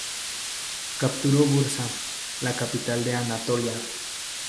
Capturó Bursa, la capital de Anatolia.